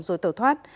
rồi tẩu thoát